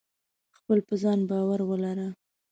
خپل په ځان باور ولره.